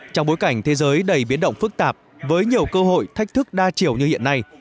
trong bối cảnh thế giới đầy biến động phức tạp với nhiều cơ hội thách thức đa chiều như hiện nay